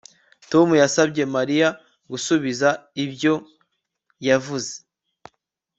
Tom yasabye Mariya gusubiza ibyo yavuze